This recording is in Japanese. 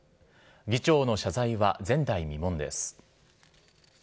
議長の謝罪は前代未聞です。